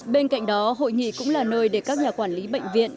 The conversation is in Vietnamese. bên cạnh đó hội nghị cũng là nơi để các nhà quản lý bệnh viện